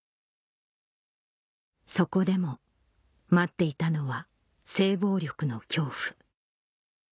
そこでも待っていたのは性暴力の恐怖